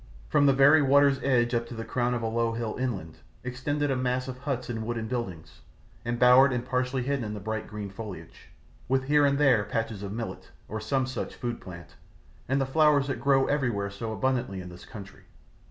From the very water's edge up to the crown of a low hill inland, extended a mass of huts and wooden buildings, embowered and partly hidden in bright green foliage, with here and there patches of millet, or some such food plant, and the flowers that grow everywhere so abundantly in this country.